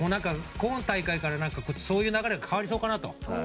今大会から、そういう流れが変わりそうかなと。